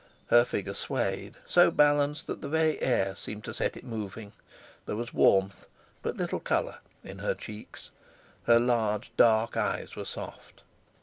Her figure swayed, so balanced that the very air seemed to set it moving. There was warmth, but little colour, in her cheeks; her large, dark eyes were soft.